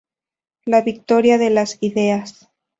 La victoria de las ideas.